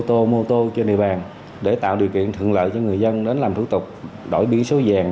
tô mô tô trên địa bàn để tạo điều kiện thuận lợi cho người dân đến làm thủ tục đổi biển số vàng